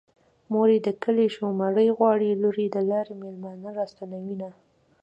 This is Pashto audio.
مور يې د کلي شومړې غواړي لور يې د لارې مېلمانه راستنوينه